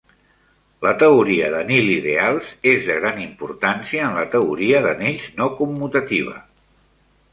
La teoria de nil-ideals és de gran importància en la teoria d'anells no commutativa.